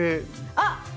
あっ！